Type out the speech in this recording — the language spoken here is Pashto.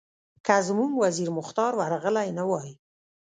که زموږ وزیر مختار ورغلی نه وای.